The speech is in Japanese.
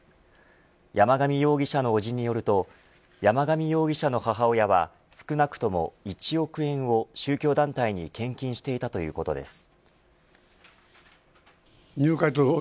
山上容疑者の伯父によると山上容疑者の母親は少なくとも１億円を宗教団体に献金していたということです。